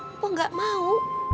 empok gak mau